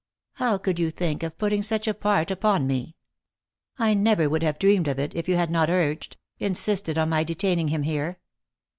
How could you think of putting such a part upon me ? I never would have dreamed of it, if you had not urged insisted on my detaining him here.